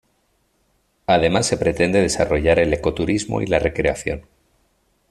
Además, se pretende desarrollar el ecoturismo y la recreación.